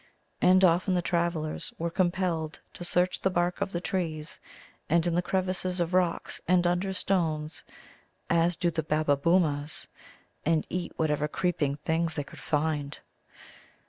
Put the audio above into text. And often the travellers were compelled to search the bark of the trees and in the crevices of rocks and under stones, as do the Babbaboomas, and eat whatever creeping things they could find.